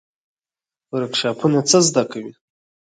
ورکشاپونه څه زده کوي؟